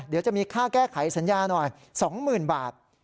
เดี๋ยวจะมีค่าแก้ไขสัญญาหน่อย๒๐๐๐บาท